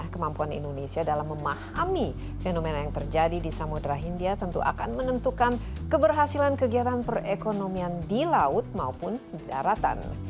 kemampuan indonesia dalam memahami fenomena yang terjadi di samudera hindia tentu akan menentukan keberhasilan kegiatan perekonomian di laut maupun daratan